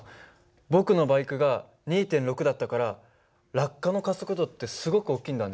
僕のバイクが２．６だったから落下の加速度ってすごく大きいんだね。